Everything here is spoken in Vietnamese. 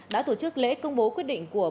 đã tổ chức lễ công bố quyết định của